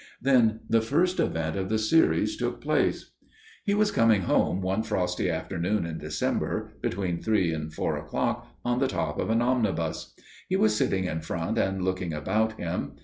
Then the first event of the series took place. "He was coming home one frosty afternoon in December, between three and four o'clock, on the top of an omnibus. He was sitting in front and looking about him.